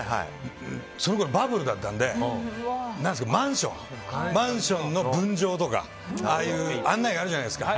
そのころ、バブルだったのでマンションの分譲とかああいう案内があるじゃないですか。